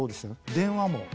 電話も。